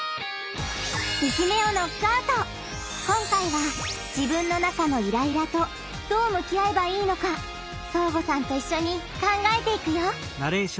今回は「自分の中のイライラ」とどうむき合えばいいのかそーごさんといっしょに考えていくよ！